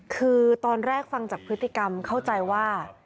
คือตอนแรกฟังจากพฤติกรรมเข้าใจว่า